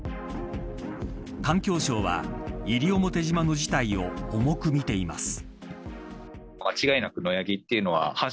環境省は西表島の事態を重く見ています。